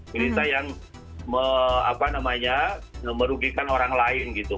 berita yang merugikan orang lain gitu